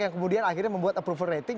yang kemudian akhirnya membuat approval rating